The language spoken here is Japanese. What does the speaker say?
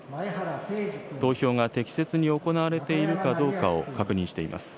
投票が適切に行われているかどうかを、確認しています。